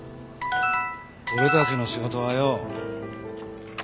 俺たちの仕事はよ。